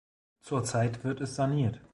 Zurzeit wird es saniert.